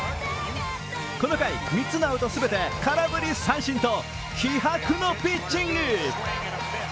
この回、３つのアウト全て空振り三振と気迫のピッチング。